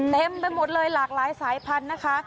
เต็มไปหมดเลยหลากหลายสายพันธุ์นะคะ